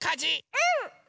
うん！